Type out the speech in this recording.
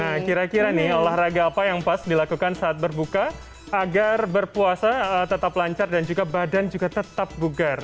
nah kira kira nih olahraga apa yang pas dilakukan saat berbuka agar berpuasa tetap lancar dan juga badan juga tetap bugar